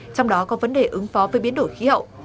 trong đó có vấn đề ứng phó với biến đổi khí hậu